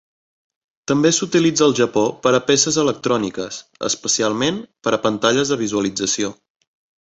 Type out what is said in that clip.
També s'utilitza al Japó per a peces electròniques, especialment per a pantalles de visualització.